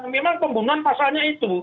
memang pembunuhan pasalnya itu